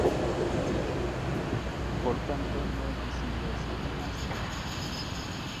Por tanto, no es visible a simple vista.